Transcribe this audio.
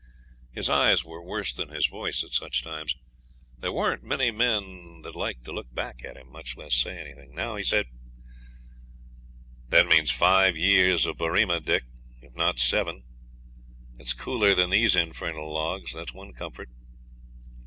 His eyes were worse than his voice at such times. There weren't many men that liked to look back at him, much less say anything. Now he said, 'That means five years of Berrima, Dick, if not seven. It's cooler than these infernal logs, that's one comfort.'